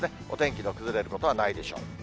お天気の崩れることはないでしょう。